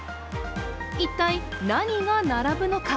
一体何が並ぶのか？